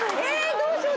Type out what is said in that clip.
どうしよう。